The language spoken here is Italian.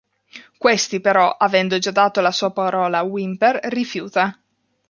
Questi però, avendo già dato la sua parola a Whymper, rifiuta.